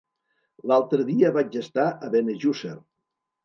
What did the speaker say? L'altre dia vaig estar a Benejússer.